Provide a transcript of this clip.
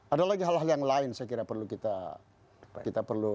ada lagi hal hal yang lain saya kira perlu